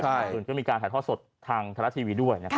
มันก็มีการถ่ายข้อสดทางทลัททีวีด้วย